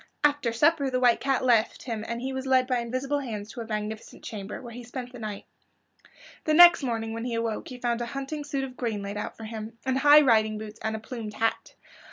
After supper the White Cat left him and he was led by invisible hands to a magnificent chamber, where he spent the night. The next morning when he awoke he found a hunting suit of green laid out for him, and high riding boots and a plumed hat.